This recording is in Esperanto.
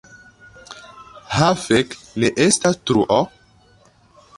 Ha fek' ne estas truo!